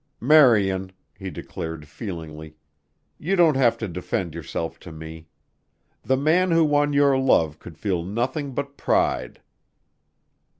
"Marian," he declared feelingly, "you don't have to defend yourself to me. The man who won your love could feel nothing but pride."